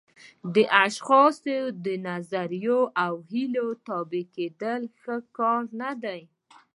د اشخاصو د نظریو او هیلو تابع کېدل ښه کار نه دی.